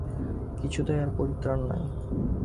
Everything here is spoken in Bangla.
কিছুতেই আর পরিত্রাণ নাই।